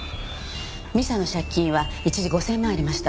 美沙の借金は一時５０００万ありました。